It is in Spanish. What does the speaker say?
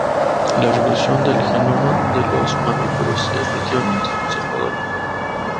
La evolución del genoma de los mamíferos es relativamente conservadora.